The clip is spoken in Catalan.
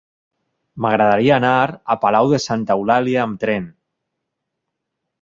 M'agradaria anar a Palau de Santa Eulàlia amb tren.